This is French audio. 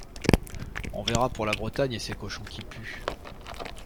On verra pour la Bretagne et ses cochons qui puent